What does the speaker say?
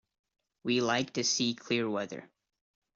We like to see clear weather.